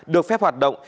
được phép hoạt động